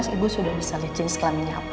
ibu sudah bisa lezat sklam ini apa